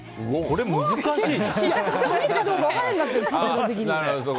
これ、難しい。